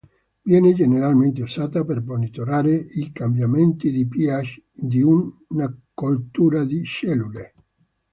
Viene generalmente usata per monitorare i cambiamenti di pH di una coltura di cellule.